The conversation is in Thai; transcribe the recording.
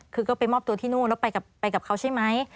คือก็ไปมอบตัวที่นู่นแล้วไปกับเขาใช่ไหม